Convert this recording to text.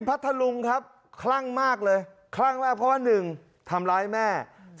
พัทธลุงครับคลั่งมากเลยคลั่งมากเพราะว่า๑ทำร้ายแม่